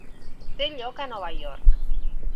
Té lloc a Nova York.